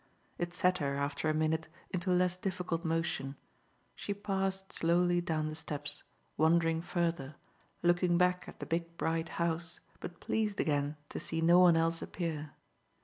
It set her after a minute into less difficult motion; she passed slowly down the steps, wandering further, looking back at the big bright house but pleased again to see no one else appear.